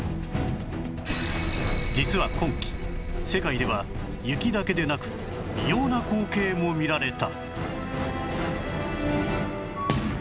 実は今季世界では雪だけなく異様な光景も見られた